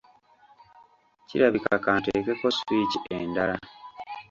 Kirabika ka nteekeko switch endala.